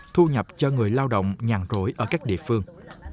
thu nhập cho người lao động nhàn rỗi ở các địa phương